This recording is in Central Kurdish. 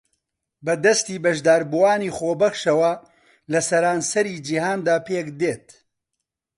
بە دەستی بەشداربووانی خۆبەخشەوە لە سەرانسەری جیھاندا پێکدێت